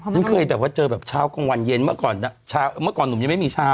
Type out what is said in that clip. ฉันเคยแบบว่าเจอแบบเช้ากลางวันเย็นเมื่อก่อนเช้าเมื่อก่อนหนุ่มยังไม่มีเช้า